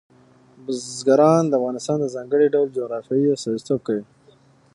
بزګان د افغانستان د ځانګړي ډول جغرافیه استازیتوب کوي.